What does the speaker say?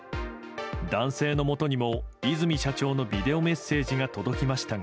男性のもとにも和泉社長のビデオメッセージが届きましたが。